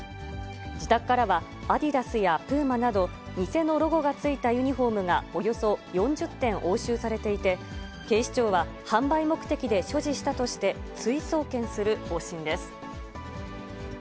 自宅からは、アディダスやプーマなど、偽のロゴがついたユニホームがおよそ４０点押収されていて、警視庁は販売目的で所持したとして、追送検する方針です。